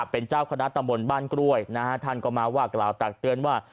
เป็นเจ้าคณะตำบลบ้านกล้วยนะฮะท่านก็มาว่ากล่าวตักเตือนว่า